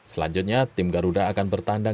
selanjutnya tim garuda akan bertandang